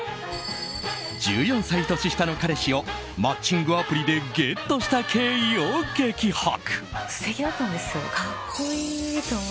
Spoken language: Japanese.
１４歳年下の彼氏をマッチングアプリでゲットした経緯を激白。